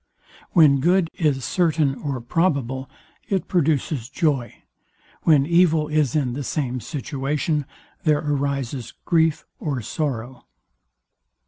When good is certain or probable, it produces joy. When evil is in the same situation there arises GRIEF or SORROW.